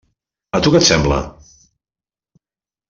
A tu què et sembla?